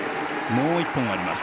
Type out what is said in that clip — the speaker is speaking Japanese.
もう１本あります。